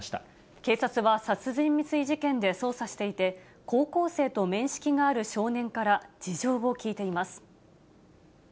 警察は殺人未遂事件で捜査していて、高校生と面識がある少年から事情を聴いています。